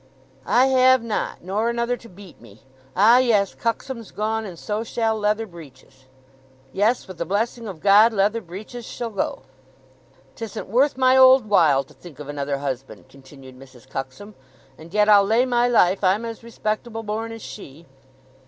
"I have not. Nor another to beat me.... Ah, yes, Cuxsom's gone, and so shall leather breeches!" "Yes; with the blessing of God leather breeches shall go." "'Tisn't worth my old while to think of another husband," continued Mrs. Cuxsom. "And yet I'll lay my life I'm as respectable born as she."